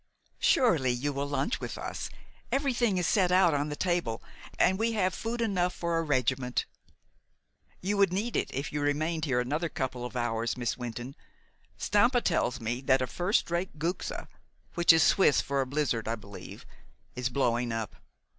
"Surely you will lunch with us. Everything is set out on the table, and we have food enough for a regiment." "You would need it if you remained here another couple of hours, Miss Wynton. Stampa tells me that a first rate guxe, which is Swiss for a blizzard, I believe, is blowing up.